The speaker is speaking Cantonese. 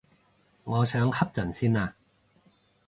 我想瞌陣先啊